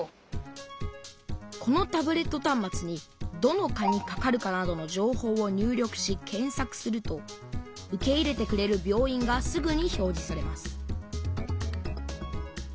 このタブレットたん末にどの科にかかるかなどの情報を入力し検さくすると受け入れてくれる病院がすぐに表じされます